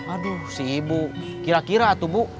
aduh si ibu kira kira tuh bu